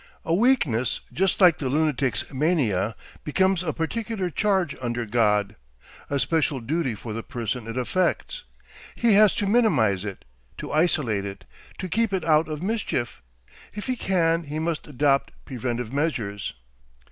A "weakness," just like the lunatic's mania, becomes a particular charge under God, a special duty for the person it affects. He has to minimise it, to isolate it, to keep it out of mischief. If he can he must adopt preventive measures.